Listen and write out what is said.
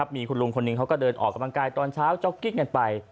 มีคุณลุงคนหนึ่งเขาก็เดินออกกำลังกายตอนเช้าจ๊อกกิ๊กกันไป